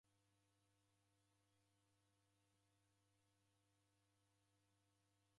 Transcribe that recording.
W'azima w'aw'iatumilwa ni w'ambao.